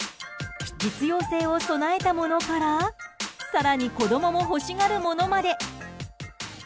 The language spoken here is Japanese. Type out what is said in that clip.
実用性を備えたものから更に子供も欲しがるものまで。